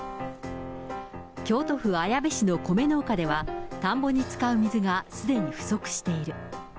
京都府綾部市の米農家では、田んぼに使う水がすでに不足している。